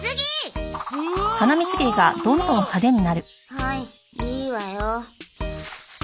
はいいいわよ。